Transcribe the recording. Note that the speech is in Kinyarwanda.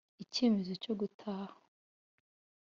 icyemezo cyo gutaha